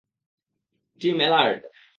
Team, এর্লাড।